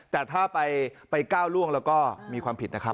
แต่ถ้าไปก้าวล่วงแล้วก็มีความผิดนะครับ